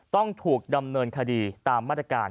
ต้องถูกดำเนินคดีตามมาตรการ